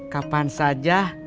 kapan saja dimana saja